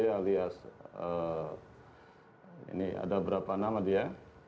alias ini ada berapa nama dia